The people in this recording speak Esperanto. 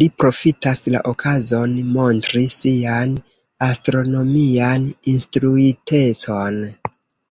Li profitas la okazon montri sian astronomian instruitecon.